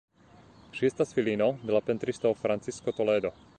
Ŝi estas filino de la pentristo Francisco Toledo.